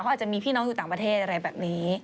เขาอาจจะมีพี่น้องอยู่ต่างประเทศอะไรแบบนี้